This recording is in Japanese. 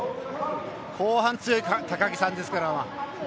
後半、強い高木さんですから。